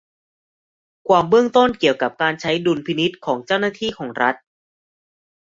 ความเบื้องต้นเกี่ยวกับการใช้ดุลพินิจของเจ้าหน้าที่ของรัฐ